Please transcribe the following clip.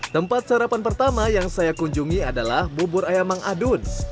tempat sarapan pertama yang saya kunjungi adalah bubur ayam mang adun